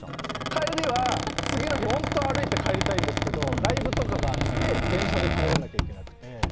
帰りは次の日、本当は歩いて帰りたいんですけどライブとかがあって電車で帰らなきゃいけなくて。